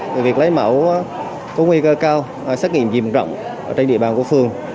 vì việc lây mẫu có nguy cơ cao xét nghiệm diện rộng trên địa bàn của phường